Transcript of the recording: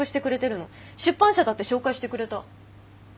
出版社だって紹介してくれた。